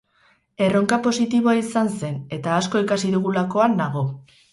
Erronka positiboa izan zen, eta asko ikasi dugulakoan nago.